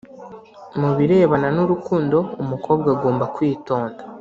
Mu birebana n’ urukundo umukobwa agomba kwitonda